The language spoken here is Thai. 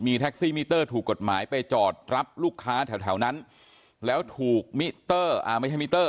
แท็กซี่มิเตอร์ถูกกฎหมายไปจอดรับลูกค้าแถวนั้นแล้วถูกมิเตอร์อ่าไม่ใช่มิเตอร์